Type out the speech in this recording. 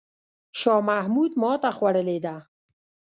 شاه محمود ماته خوړلې ده.